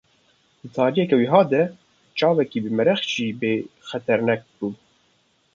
Di tariyeke wiha de çavekî bimereq jî bê xeternak bû.